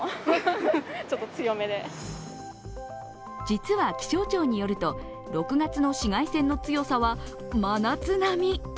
実は気象庁によると６月の紫外線の強さは真夏並み。